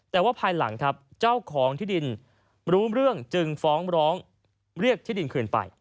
แต่ว่าภายหลังครับเจ้าของที่ดินรู้เรื่องจึงฟ้องร้องเรียกที่ดินคืนไป